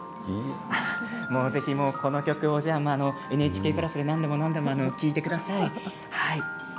ぜひこの曲をＮＨＫプラスで何度も何度も聴いてください。